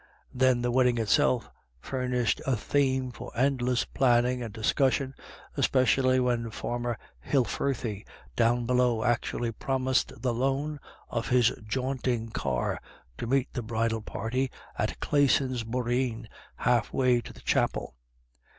Then the wedding itself furnished a theme for endless planning and discussion, especially when Farmer Hilfirthy, down below, actually pro mised the loan of his jaunting car to meet the bridal party at Classon's Boreen, half way to the chapel.